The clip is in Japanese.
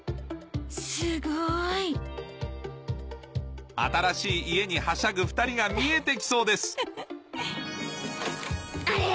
すごい新しい家にはしゃぐ２人が見えて来そうですあれ？